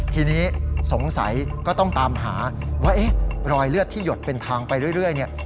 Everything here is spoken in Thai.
ทีนี้สงสัยก็ต้องตามหาว่าเอ๊ะรอยเลือดที่หยดเป็นทางไปเรื่อยเนี่ย